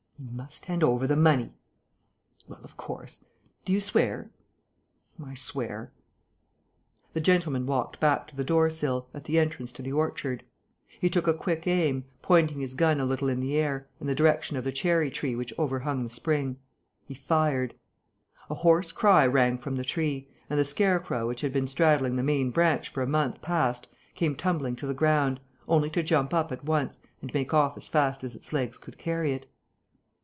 "He must hand over the money!" "Well, of course. Do you swear?" "I swear." The gentleman walked back to the door sill, at the entrance to the orchard. He took a quick aim, pointing his gun a little in the air, in the direction of the cherry tree which overhung the spring. He fired. A hoarse cry rang from the tree; and the scarecrow which had been straddling the main branch for a month past came tumbling to the ground, only to jump up at once and make off as fast as its legs could carry it.